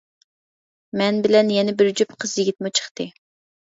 مەن بىلەن يەنە بىر جۈپ قىز-يىگىتمۇ چىقتى.